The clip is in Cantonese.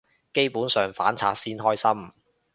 基本上反賊先關心